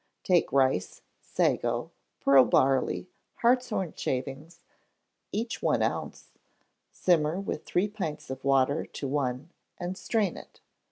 _) Take rice, sago, pearl barley, hartshorn shavings, each one ounce; simmer with three pints of water to one, and strain it.